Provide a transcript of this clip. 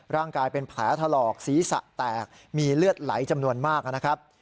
ร่างกายเป็นแผลถลอกศีรษะแตกมีเลือดไหลจำนวนมากนะครับ